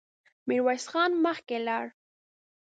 ميرويس خان مخکې لاړ.